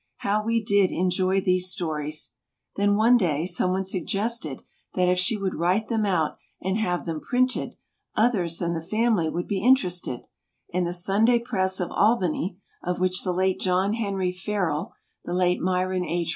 How we did enjoy these stories. Then one day some one suggested that if she would write them out and have them printed, others than the family would be interested, and the Sunday Press of Albany, of which the late John Henry Farrell, the late Myron H.